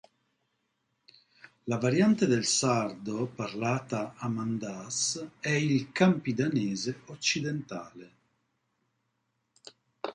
La variante del sardo parlata a Mandas è il campidanese occidentale.